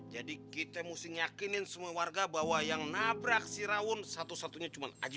jadi kita harus meyakinkan semua warga bahwa yang nabrak si rawon satu satunya cuma aja